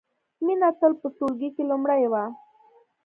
مینه تل په ټولګي کې لومړۍ وه